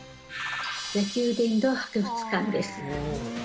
野球殿堂博物館です。